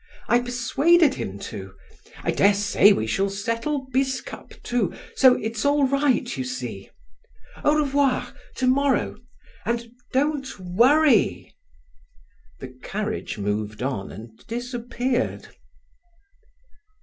I persuaded him to!—I dare say we shall settle Biscup too, so it's all right, you see! Au revoir, tomorrow! And don't worry!" The carriage moved on, and disappeared.